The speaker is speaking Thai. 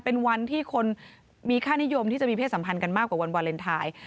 เป็นวันที่คนมีค่านิยมที่จะมีเพศสัมพันธ์กันมากกว่าวันวาเลนไทย